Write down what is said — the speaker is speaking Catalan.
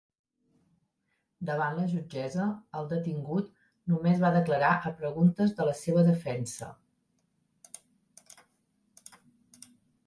Davant la jutgessa, el detingut només va declarar a preguntes de la seva defensa.